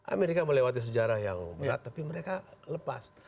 amerika melewati sejarah yang berat tapi mereka lepas